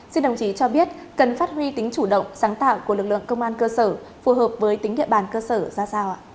xin đồng chí cho biết cần phát huy tính chủ động sáng tạo của lực lượng công an cơ sở phù hợp với tính địa bàn cơ sở ra sao ạ